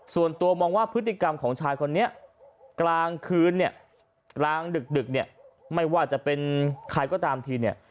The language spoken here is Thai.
ส่วนตัวมองว่าพฤติกรรมของชายคนนี้กลางคืนเนี่ยกลางดึกเนี่ยไม่ว่าจะเป็นใครก็ตามทีเนี่ย